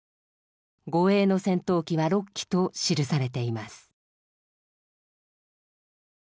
護衛の戦闘機は６機」と記されています。